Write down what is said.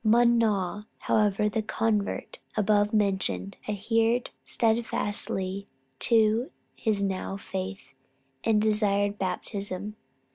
Moung Nau, however, the convert above mentioned, adhered steadfastly to his now faith, and desired baptism.